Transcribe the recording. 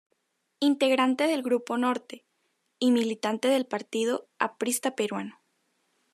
Integrante del Grupo Norte y militante del Partido Aprista Peruano.